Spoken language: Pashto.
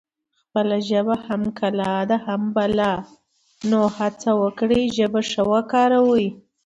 خپله ژبه هم کلا ده هم بلا نو هسه وکړی ژبه ښه وکاروي